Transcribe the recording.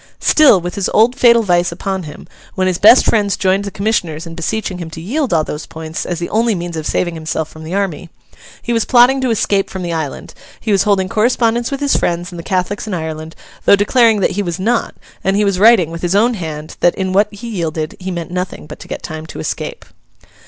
Still, with his old fatal vice upon him, when his best friends joined the commissioners in beseeching him to yield all those points as the only means of saving himself from the army, he was plotting to escape from the island; he was holding correspondence with his friends and the Catholics in Ireland, though declaring that he was not; and he was writing, with his own hand, that in what he yielded he meant nothing but to get time to escape.